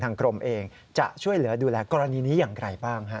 กรมเองจะช่วยเหลือดูแลกรณีนี้อย่างไรบ้างฮะ